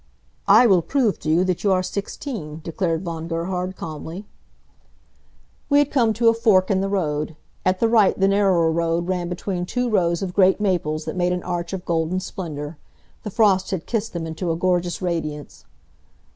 "I will prove to you that you are sixteen," declared Von Gerhard, calmly. We had come to a fork in the road. At the right the narrower road ran between two rows of great maples that made an arch of golden splendor. The frost had kissed them into a gorgeous radiance.